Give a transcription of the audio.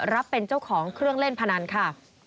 รับเป็นเจ้าของเครื่องเล่นพนันค่ะ